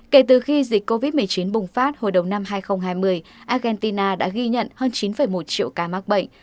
kể từ khi dịch covid một mươi chín bùng phát hồi đầu năm hai nghìn hai mươi argentina đã ghi nhận hơn chín một triệu ca mắc bệnh